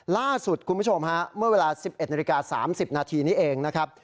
ล่าสุดคุณผู้ชมฮะเมื่อเวลา๑๑นาฬิกา๓๐นาทีนี้เองนะครับ